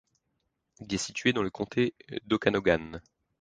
Il est situé dans le comté d'Okanogan.